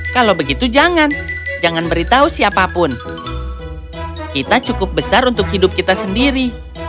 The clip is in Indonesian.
kalau begitu jangan jangan beritahu siapapun kita cukup besar untuk hidup kita sendiri